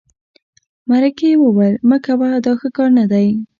مرکې وویل مه کوه دا ښه کار نه دی.